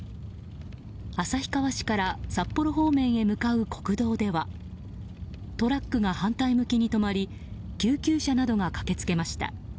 旭川市から札幌方面へ向かう国道ではトラックが反対向きに止まり救急車などが駆けつけました。